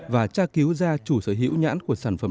và tra cứu ra chủ sở hữu nhãn của sản phẩm